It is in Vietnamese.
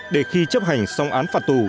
để khi chấp hành xong án phạt tù